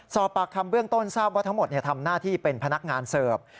สอบปากคำเบื้องต้นทราบว่าทั้งหมดทำหน้าที่เป็นพนักงานเสิร์ฟ